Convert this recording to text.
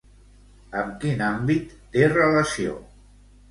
Amb quin àmbit té relació?